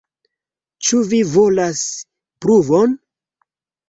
Ĉu vi volas pruvon?